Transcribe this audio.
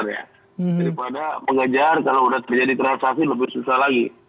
daripada mengejar kalau sudah terjadi transaksi lebih susah lagi